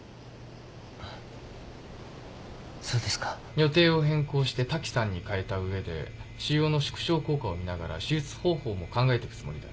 予定を変更してタキサンに変えたうえで腫瘍の縮小効果を見ながら手術方法も考えていくつもりだ。